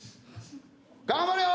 「頑張れよ」